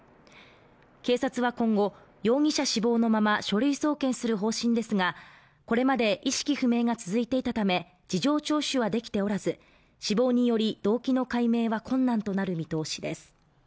警察は今後、容疑者死亡のまま書類送検する方針ですがこれまで意識不明が続いていたため事情聴取はできておらず、死亡により動機の解明は困難となる見通しです。